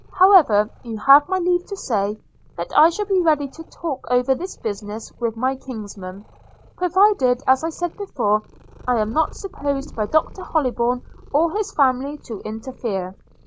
– However, you have my leave to say, that I shall be ready to talk over this business with my kinsman, provided, as I said before, I am not supposed by Dr Hollybourn or his family to interfere.'